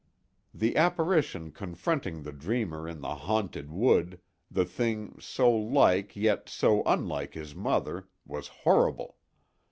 III THE apparition confronting the dreamer in the haunted wood—the thing so like, yet so unlike his mother—was horrible!